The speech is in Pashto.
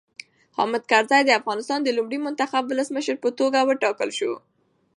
حامد کرزی د افغانستان د لومړي منتخب ولسمشر په توګه وټاکل شو.